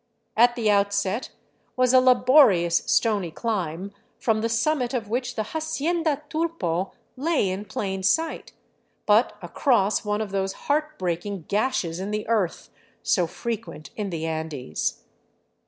At the outset was a la borious, stony climb, from the summit of which the " Hacienda Tulpo " lay in plain sight, but across one of those heartbreaking gashes in the earth so frequent in the Andes.